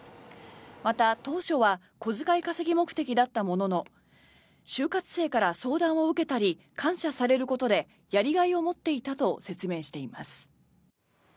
また、当初は小遣い稼ぎ目的だったものの就活生から相談を受けたり感謝されることでやりがいを持っていたと説明しています。